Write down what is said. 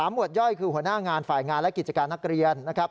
หวดย่อยคือหัวหน้างานฝ่ายงานและกิจการนักเรียนนะครับ